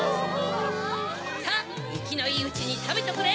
さぁいきのいいうちにたべとくれ！